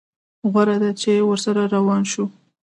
غوره ده چې ورسره روان شو.